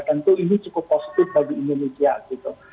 tentu ini cukup positif bagi indonesia gitu